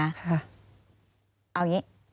เอาอย่างนี้